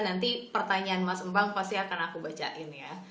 nanti pertanyaan mas embang pasti akan aku bacain ya